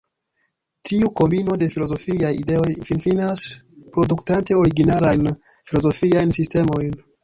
Tiu kombino de filozofiaj ideoj finfinas produktante originalajn filozofiajn sistemojn.